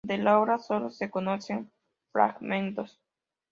De la obra solo se conocen fragmentos.